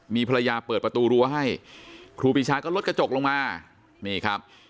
มีภรรยาเปิดประตูรั้วให้ครูปีชาก็ลดกระจกลงมานี่ครับ